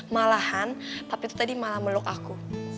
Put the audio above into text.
malahan papi tuh tadi malah meluk aku